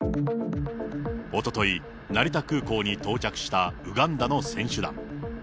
おととい、成田空港に到着したウガンダの選手団。